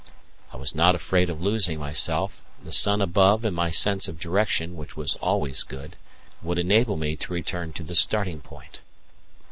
I was not afraid of losing myself; the sun above and my sense of direction, which was always good, would enable me to return to the starting point.